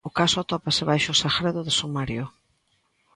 O caso atópase baixo segredo de sumario.